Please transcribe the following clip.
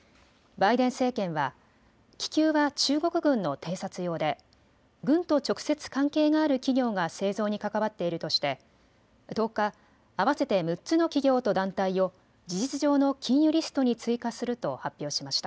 バイデン政権は気球は中国軍の偵察用で軍と直接関係がある企業が製造に関わっているとして１０日、合わせて６つの企業と団体を事実上の禁輸リストに追加すると発表しました。